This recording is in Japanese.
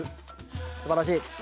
すばらしい。